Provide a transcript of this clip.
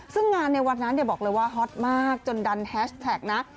ซึ่งงานในวันนั้นบอกเลยว่าฮอตมากจนดันแฮชแท็กนะ